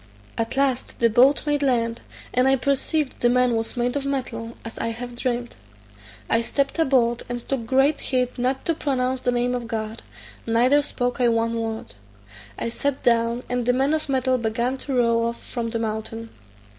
At last the boat made land, and I perceived the man was made of metal, as I had dreamt. I stept aboard, and took great heed not to pronounce the name of God, neither spoke I one word. I sat down, and the man of metal began to row off from the mountain.